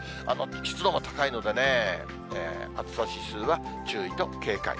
湿度も高いのでね、暑さ指数は注意と警戒。